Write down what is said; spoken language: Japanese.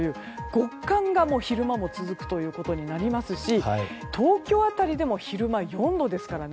極寒が昼間も続くことになりますし東京辺りでも昼間４度ですからね。